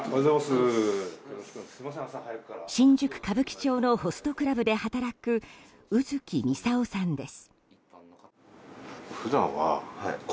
新宿・歌舞伎町のホストクラブで働く卯月操さんです。